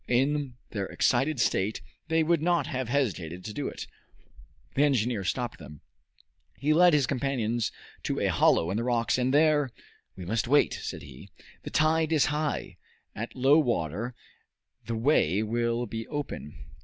In their excited state they would not have hesitated to do it. The engineer stopped them. He led his companions to a hollow in the rocks, and there "We must wait," said he. "The tide is high. At low water the way will be open."